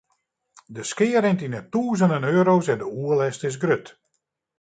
De skea rint yn 'e tûzenen euro's en de oerlêst is grut.